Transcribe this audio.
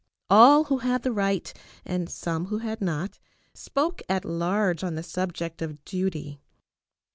All who had the right, and some who had not, spoke at large on the subject of duty.